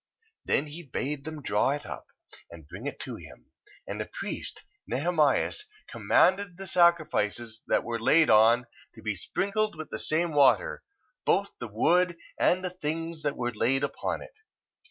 1:21. Then he bade them draw it up, and bring it to him: and the priest, Nehemias, commanded the sacrifices that were laid on, to be sprinkled with the same water, both the wood, and the things that were laid upon it.